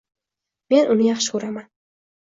Men uni yaxshi ko`raman